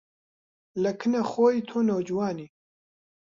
لە کنە خۆی تۆ نۆجوانی